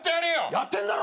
やってんだろ！